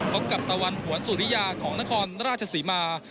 พบกับตะวันหวนสุริยาของนครราชศรีมา